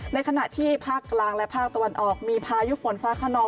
ในขณะที่ภาคกลางและภาคตะวันออกมีพายุฝนฟ้าขนอง